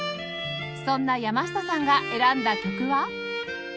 そんな山下さんが選んだ曲は？